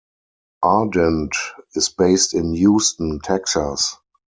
Ardent is based in Houston, Texas.